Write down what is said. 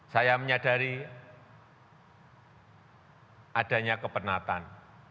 saya menyadari adanya kepenatan